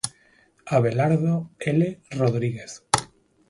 Abelardo L. Rodríguez.